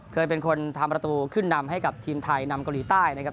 เคยเป็นคนทำประตูขึ้นนำให้กับทีมไทยนำเกาหลีใต้นะครับ